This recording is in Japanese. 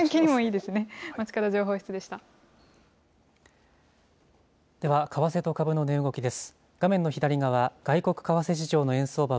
まちか為替と株の値動きです。